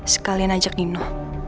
sekalian ajak dino